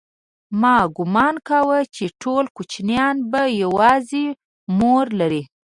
ما گومان کاوه چې ټول کوچنيان به يوازې مور لري.